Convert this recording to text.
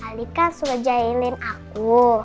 adi kan suka jahilin aku